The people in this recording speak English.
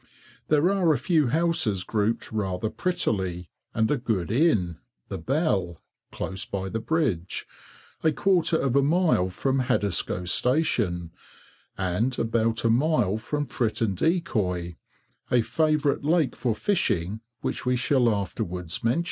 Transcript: There are a few houses grouped rather prettily, and a good inn, the "Bell," close by the Bridge, a quarter of a mile from Haddiscoe station, and about a mile from Fritton Decoy, a favourite lake for fishing, which we shall afterwards mention.